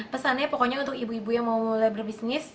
pesannya pokoknya untuk ibu ibu yang mau mulai berbisnis